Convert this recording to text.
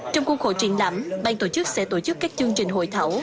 trong khuôn khổ triển lãm bang tổ chức sẽ tổ chức các chương trình hội thảo